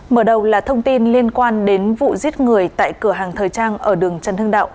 mở đầu là thông tin liên quan đến vụ giết người tại cửa hàng thời trang ở đường trần hưng đạo